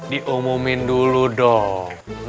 diomumin dulu dong